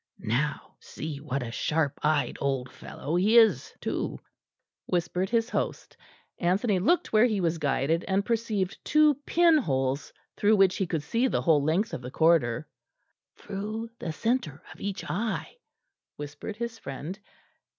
"Now see what a sharp eyed old fellow he is too," whispered his host. Anthony looked where he was guided, and perceived two pinholes through which he could see the whole length of the corridor. "Through the centre of each eye," whispered his friend.